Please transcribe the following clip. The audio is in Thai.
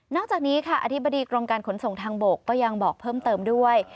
จากนี้ค่ะอธิบดีกรมการขนส่งทางบกก็ยังบอกเพิ่มเติมด้วย